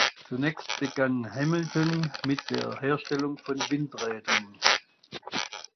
Zunächst begann Hamilton mit der Herstellung von Windrädern.